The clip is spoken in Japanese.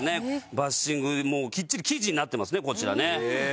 バッシングきっちり記事になってますねこちらね。